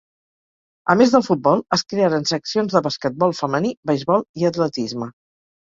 A més del futbol es crearen seccions de basquetbol femení, beisbol i atletisme.